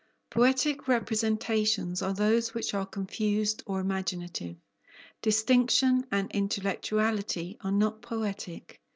Poetic representations are those which are confused or imaginative. Distinction and intellectuality are not poetic.